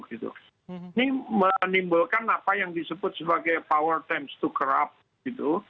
ini menimbulkan apa yang disebut sebagai power times to corrup gitu